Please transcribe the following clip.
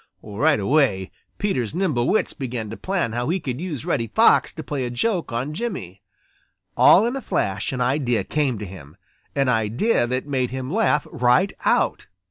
Right away, Peter's nimble wits began to plan how he could use Reddy Fox to play a joke on Jimmy. All in a flash an idea came to him, an idea that made him laugh right out.